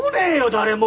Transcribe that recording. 誰も！